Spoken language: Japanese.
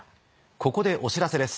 ここでお知らせです。